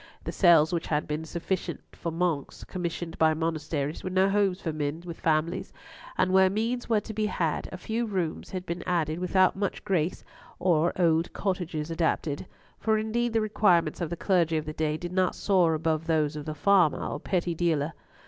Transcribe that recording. The cells which had been sufficient for monks commissioned by monasteries were no homes for men with families; and where means were to be had, a few rooms had been added without much grace, or old cottages adapted—for indeed the requirements of the clergy of the day did not soar above those of the farmer or petty dealer.